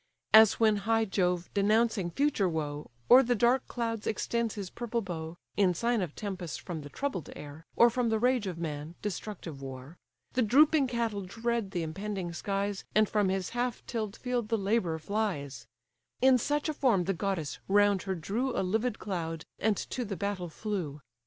As when high Jove denouncing future woe, O'er the dark clouds extends his purple bow, (In sign of tempests from the troubled air, Or from the rage of man, destructive war,) The drooping cattle dread the impending skies, And from his half till'd field the labourer flies: In such a form the goddess round her drew A livid cloud, and to the battle flew.